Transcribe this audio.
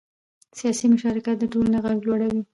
سیاسي مشارکت د ټولنې غږ لوړوي